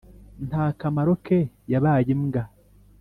nta kamaro ke yabaye imbwa